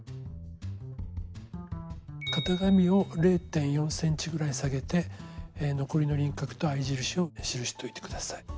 型紙を０．４ｃｍぐらい下げて残りの輪郭と合い印をしるしといて下さい。